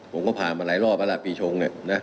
ผมก็ผ่านมาหลายรอบอะไรปีชง